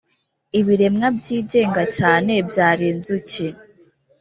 ibiremwa byigenga cyane byari inzuki